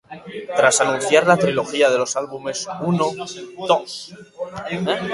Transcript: Tras anunciar la trilogía de los álbumes ¡Uno!, ¡Dos!